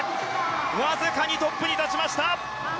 わずかにトップに立ちました！